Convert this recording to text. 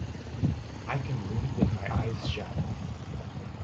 I Can Read With My Eyes Shut!